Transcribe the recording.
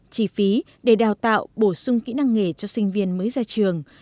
chi phí để đào tạo bổ sung kỹ năng nghề cho sinh viên mới ra trường